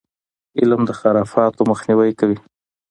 علم د خرافاتو مخنیوی کوي.